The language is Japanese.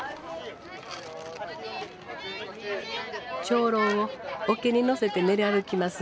長老を桶に乗せて練り歩きます。